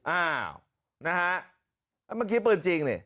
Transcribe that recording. อ้าวนะฮะมันคิดปืนจริงนี่